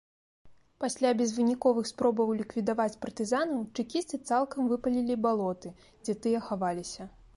Пасля безвыніковых спробаў ліквідаваць партызанаў чэкісты цалкам выпалілі балоты, дзе тыя хаваліся.